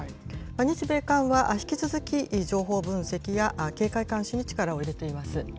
日米韓は、引き続き情報分析や警戒監視に力を入れています。